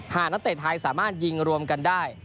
นักเตะไทยสามารถยิงรวมกันได้